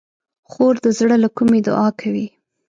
خور د زړه له کومي دعا کوي.